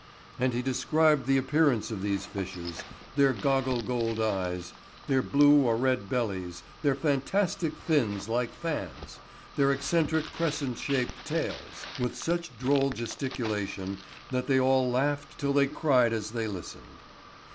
And he described the appearance of these fishes—their goggle gold eyes, their blue or red bellies, their fantastic fins like fans, their eccentric crescent shaped tails—with such droll gesticulation that they all laughed till they cried as they listened.